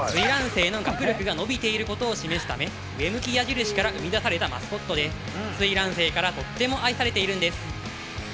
生の学力が伸びていることを示すため上向き矢印から生み出されたマスコットで翠嵐生からとっても愛されているんです。